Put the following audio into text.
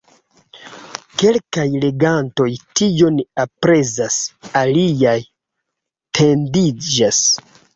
Kelkaj legantoj tion aprezas, aliaj tediĝas.